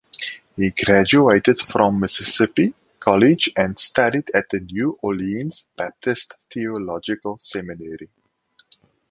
He graduated from Mississippi College and studied at the New Orleans Baptist Theological Seminary.